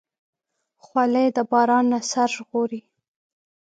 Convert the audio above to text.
خولۍ د باران نه سر ژغوري.